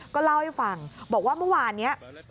ก็เล่าให้ฟังบอกว่าเมื่อวานนี้